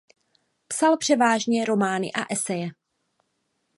Psal převážně romány a eseje.